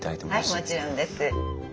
はいもちろんです。